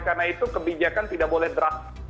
karena itu kebijakan tidak boleh berat